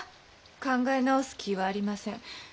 考え直す気はありません。